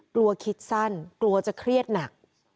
กลัวคิดสั้นกลัวจะเครียดหนัก